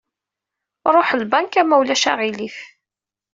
Ruḥ lbanka ma ulac aɣilif.